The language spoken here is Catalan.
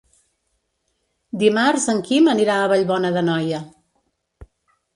Dimarts en Quim anirà a Vallbona d'Anoia.